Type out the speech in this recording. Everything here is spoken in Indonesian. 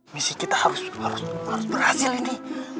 misi kita harus berhasil ini